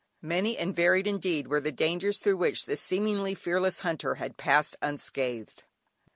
Many and varied indeed were the dangers through which this seemingly fearless hunter had passed unscathed.